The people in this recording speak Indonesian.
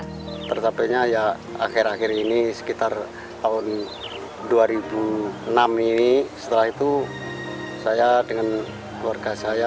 tercapainya ya akhir akhir ini sekitar tahun dua ribu enam ini setelah itu saya dengan keluarga saya